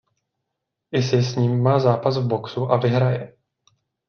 Issy s ním má zápas v boxu a vyhraje.